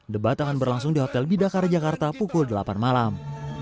debat akan berlangsung di hotel bidakara jakarta pukul delapan malam